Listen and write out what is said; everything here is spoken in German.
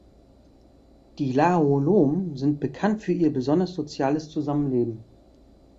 Die Lao Lom sind bekannt für ihr besonders soziales Zusammenleben.